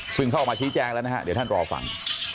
ซึ่งเขาออกมาชี้แจงแล้วนะฮะเดี๋ยวท่านรอฟัง